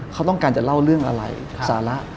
เขาต้องการจะเล่าเรื่องอะไรสาระ